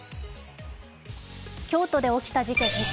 京都で起きた事件です。